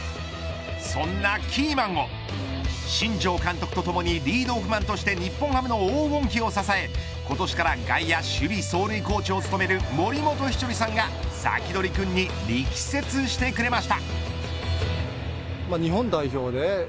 そんなキーマンを新庄監督とともにリードオフマンとして日本ハムの黄金期を支え今年から外野守備走塁コーチを務める森本稀哲さんが、サキドリくんに力説してくれました。